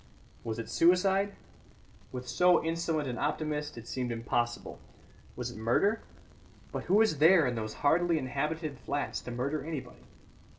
Was it suicide? With so insolent an optimist it seemed impossible. Was it murder? But who was there in those hardly inhabited flats to murder anybody?